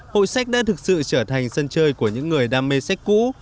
hội sách đã thực sự trở thành sân chơi của những người đam mê sách cũ